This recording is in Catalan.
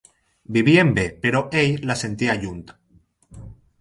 Vivien bé, però ell la sentia lluny.